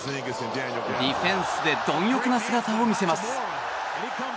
ディフェンスで貪欲な姿を見せます。